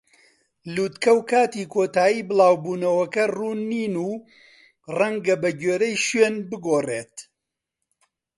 لووتکە و کاتی کۆتایی بڵاو بوونەوەکە ڕوون نین و ڕەنگە بەگوێرەی شوێن بگۆڕێت.